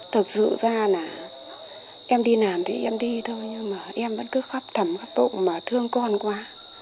thực sự ra là em đi làm thì em đi thôi nhưng mà em vẫn cứ khắp thầm khắp bộ mà thương con quá